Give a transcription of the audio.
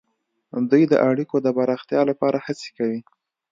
دوی د اړیکو د پراختیا لپاره هڅې کوي